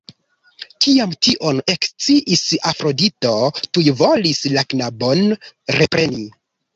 Kiam tion eksciis Afrodito, tuj volis la knabon repreni.